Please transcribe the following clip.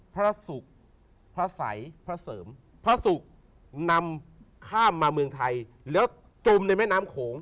พระศุกร์พระสัยพระเสริมพระศุกร์นำข้ามมาเมืองไทยแล้วจมในแม่น้ำโขง